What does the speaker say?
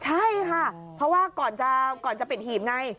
ใช่ค่ะเพราะว่าก่อนจะปิดหีบไง